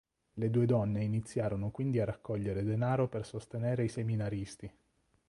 Le due donne iniziarono quindi a raccogliere denaro per sostenere i seminaristi.